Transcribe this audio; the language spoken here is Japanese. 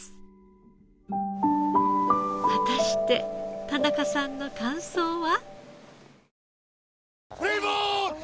果たして田中さんの感想は？